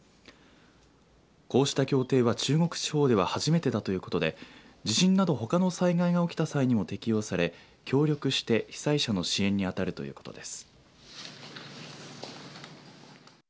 こうした協定は、中国地方では初めてだということで地震などほかの災害が起きた際にも適用され協力して被災者の支援にあたるということです。